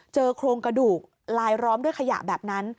โครงกระดูกลายล้อมด้วยขยะแบบนั้น